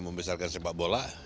membesarkan sepak bola